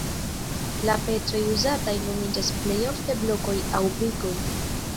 La pecoj uzataj nomiĝas plej ofte blokoj aŭ brikoj.